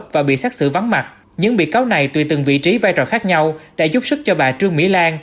và bị xét xử vắng mặt những bị cáo này tùy từng vị trí vai trò khác nhau đã giúp sức cho bà trương mỹ lan